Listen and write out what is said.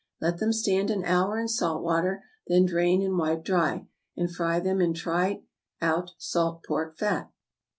Let them stand an hour in salt water, then drain and wipe dry, and fry them in tried out salt pork fat.